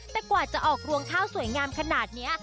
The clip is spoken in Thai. แต่กว่าจะออกรวงข้าวสวยงามขนาดนี้